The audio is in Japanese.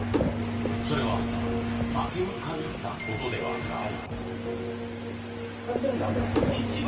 それは酒に限ったことではない。